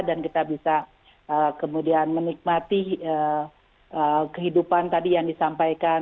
dan kita bisa kemudian menikmati kehidupan tadi yang disampaikan